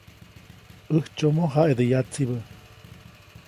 ‒ʼÄjtsyomo jaʼidä yatsibä-.